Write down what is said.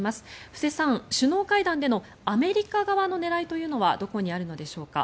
布施さん、首脳会談でのアメリカ側の狙いというのはどこにあるのでしょうか？